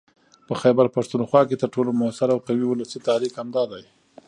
په خيبرپښتونخوا کې تر ټولو موثر او قوي ولسي تحريک همدا دی